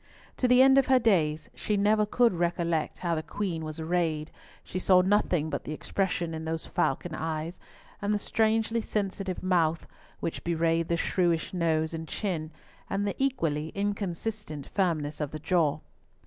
To the end of her days she never could recollect how the Queen was arrayed; she saw nothing but the expression in those falcon eyes, and the strangely sensitive mouth, which bewrayed the shrewish nose and chin, and the equally inconsistent firmness of the jaw.